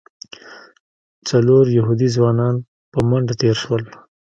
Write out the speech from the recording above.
څلور یهودي ځوانان په منډه تېر شول.